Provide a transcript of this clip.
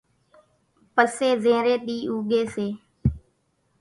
پسي زيرين ۮي اُوڳي سي